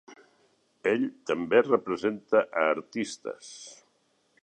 Ell també representa a artistes.